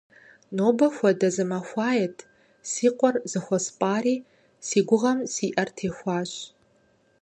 Нобэ хуэдэ зы махуает си къуэр зыхуэспӀари, си гугъэм си Ӏэр техуащ.